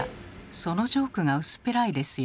そのジョークが薄っぺらいですよ。